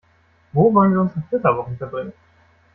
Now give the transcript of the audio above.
Wo wollen wir unsere Flitterwochen verbringen?